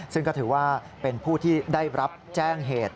ซึ่งก็ถือว่าเป็นผู้ที่ได้รับแจ้งเหตุ